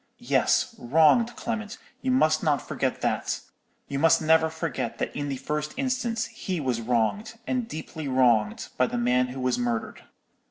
—yes, wronged, Clement, you must not forget that; you must never forget that in the first instance he was wronged, and deeply wronged, by the man who was murdered.